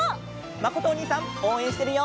まことおにいさんおうえんしてるよ。